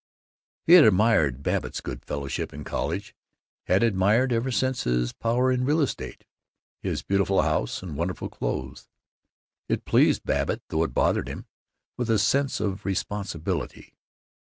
He had admired Babbitt's good fellowship in college, had admired ever since his power in real estate, his beautiful house and wonderful clothes. It pleased Babbitt, though it bothered him with a sense of responsibility.